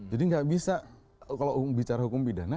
jadi nggak bisa kalau bicara hukum pidana